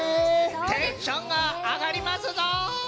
テンションが上がりますぞ。